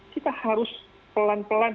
kita harus pelan pelan